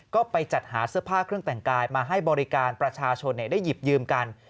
ก็ไปจัดหาเสื้อผ้าเครื่องแต่งกายมาให้บริการประชาชนได้หยิบยืมกัน